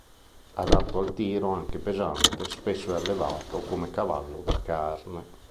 Adatto al tiro anche pesante spesso è allevato come cavallo da carne.